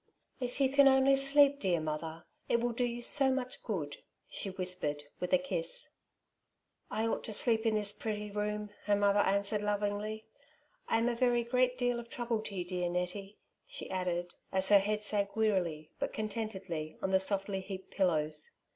^ li If you can only sleep, dear mother, it will do you so much good/' she whispered, with a kiss. '' I ought to sleep in this pretty room,'' her mother answered lovingly. " I am a very great deal of trouble to you, dear Nettie," she added^ as her head sank wearily, but contentedly, on the softly heaped pillows.